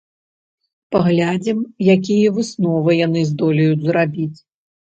Паглядзім, якія высновы яны здолеюць зрабіць.